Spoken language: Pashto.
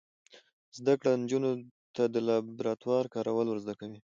زده کړه نجونو ته د لابراتوار کارول ور زده کوي.